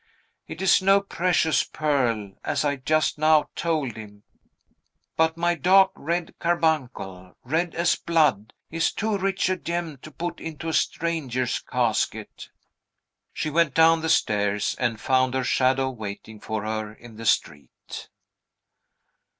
It is no precious pearl, as I just now told him; but my dark red carbuncle red as blood is too rich a gem to put into a stranger's casket." She went down the stairs, and found her shadow waiting for her in the street.